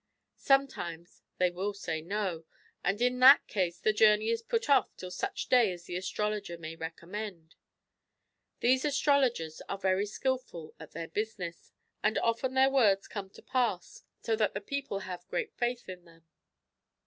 Sometimes they will say no^ and in that case the journey is put off till such day as the astrologer may recommend. These astro logers are very skilful at their business, and often their words come to pass, so the people have great faith in them.